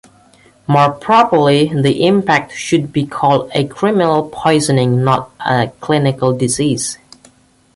More properly, the impact should be called a criminal 'poisoning', not a clinical 'disease'.